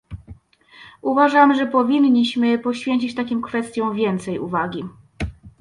Uważam, że powinniśmy poświęcić takim kwestiom więcej uwagi